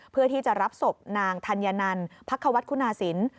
เพื่อที่จะรับศพนางธัญนันพักควัฒคุณาศิลป์